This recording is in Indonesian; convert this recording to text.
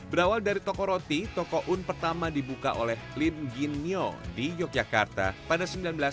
berawal dari toko roti toko un pertama dibuka oleh lim gin mil di yogyakarta pada seribu sembilan ratus sembilan puluh